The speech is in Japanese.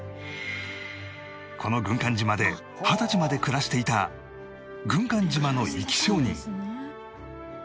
この軍艦島で２０歳まで暮らしていた軍艦島の生き証人